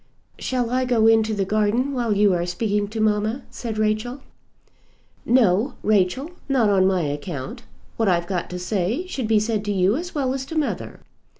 "Shall I go into the garden while you are speaking to mamma?" said Rachel. "No, Rachel; not on my account. What I've got to say should be said to you as well as to mother.